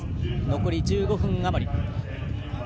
残り１５分あまり。